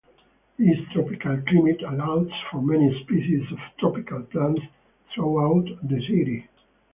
This tropical climate allows for many species of tropical plants throughout the city.